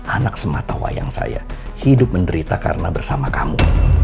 anak semata wayang saya hidup menderita karena bersama kamu